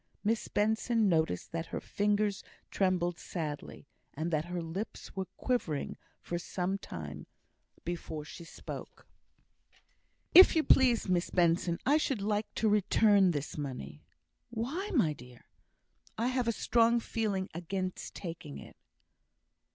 Miss Benson noticed that her fingers trembled sadly, and that her lips were quivering for some time before she spoke. "If you please, Miss Benson, I should like to return this money." "Why, my dear?" "I have a strong feeling against taking it.